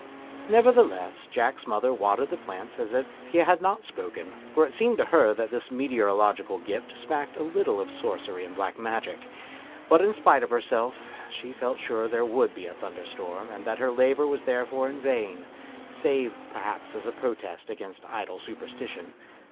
Nevertheless, Jack's mother watered the plants as if he had not spoken, for it seemed to her that this mete orological gift smacked a little of sorcery and black magic ; but in spite of herself she felt sure that there would be a thunderstorm and that her labour was therefore vain, save 87 88 A TRAGEDY IN LITTLE perhaps as a protest against idle superstition.